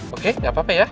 oke gak apa apa ya